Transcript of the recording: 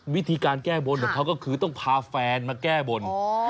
วิธีการแก้บนของเขาก็คือต้องพาแฟนมาแก้บน